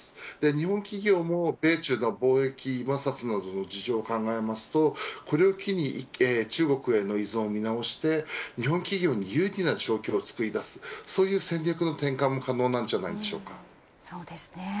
日本企業も米中の貿易摩擦などの事情を考えるとこれを機に中国への依存を見直して日本企業に有利な状況を作り出すそういった戦略の転換も可能です。